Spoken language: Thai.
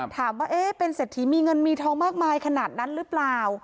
ถามว่าเป็นเศรษฐีมีเงินมีทองมากมายขนาดนั้นหรือเปล่า